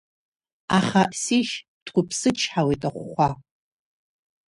Аха, сишь, дқәыԥсычҳауеит ахәхәа.